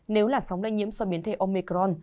nếu là sống lây nhiễm so với biến thể omicron